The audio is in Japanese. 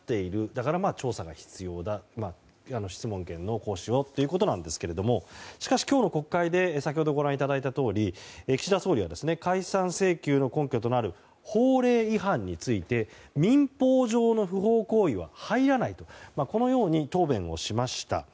だから調査が必要だ質問権の行使をということですがしかし今日の国会で先ほどご覧いただいたとおり岸田総理は解散請求の根拠となる法令違反について民法の不法行為は入らないとこのように答弁をしました。